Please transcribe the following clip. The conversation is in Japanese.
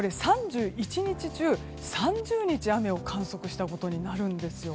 ３１日中３０日雨を観測したことになるんです。